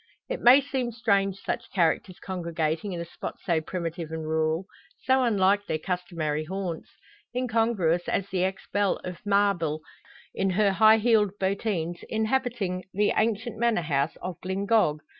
It may seem strange such characters congregating in a spot so primitive and rural, so unlike their customary haunts; incongruous as the ex belle of Mabille in her high heeled bottines inhabiting the ancient manor house of Glyngog.